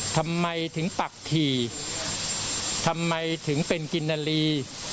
ทำไมถึงปักถี่ทำไมถึงเป็นกินนาลี